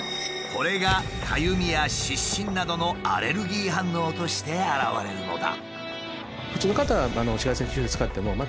これがかゆみや湿疹などのアレルギー反応として現れるのだ。